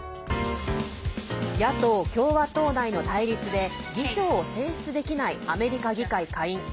野党・共和党内の対立で議長を選出できないアメリカ議会下院。